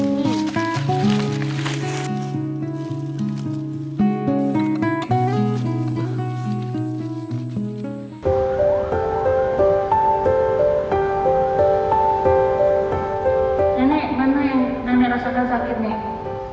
nenek mana yang nanda rasakan sakit nih